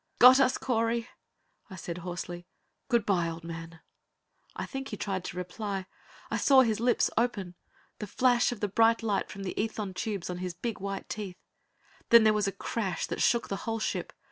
"Got us, Correy!" I said hoarsely. "Good by, old man!" I think he tried to reply. I saw his lips open; the flash of the bright light from the ethon tubes on his big white teeth. Then there was a crash that shook the whole ship.